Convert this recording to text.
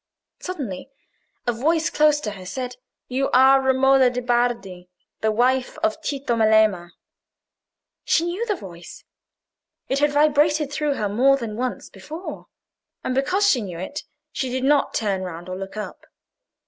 Suddenly a voice close to her said— "You are Romola de' Bardi, the wife of Tito Melema." She knew the voice: it had vibrated through her more than once before; and because she knew it, she did not turn round or look up.